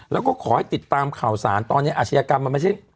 แล้วก็ขอให้ติดตามข่าวสารตอนนี้อาชญากรรมมันไม่ใช่